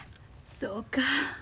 そうか。